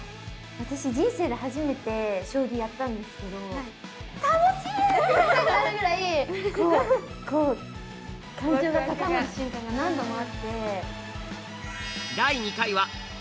私人生で初めて将棋やったんですけど。って言いたくなるぐらいこうこう感情が高まる瞬間が何度もあって。